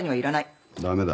駄目だ。